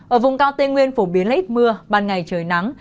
ở vùng cao tây nguyên phổ biến ít mưa ban ngày trời nắng